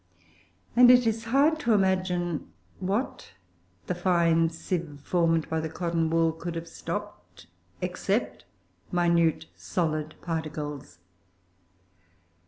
It is hard to imagine what the fine sieve formed by the cotton wool could have stopped except minute solid particles.